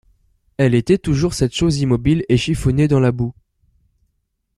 Elle était toujours cette chose immobile et chiffonnée dans la boue.